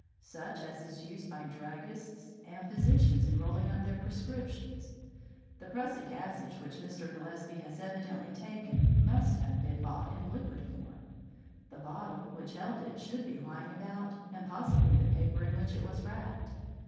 "Such as is used by druggists and physicians in rolling up their prescriptions. The prussic acid which Mr. Gillespie has evidently taken must have been bought in liquid form. The bottle which held it should be lying about and possibly the paper in which it was wrapped.